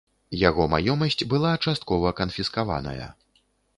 Яго маёмасць была часткова канфіскаваная.